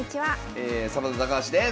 サバンナ高橋です。